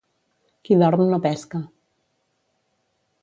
Qui dorm no pesca.